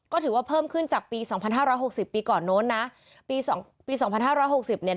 ก็ถือว่าเพิ่มขึ้นจากปีสองพันห้าร้อยหกสิบปีก่อนโน้นนะปีสองปีสองพันห้าร้อยหกสิบเนี่ย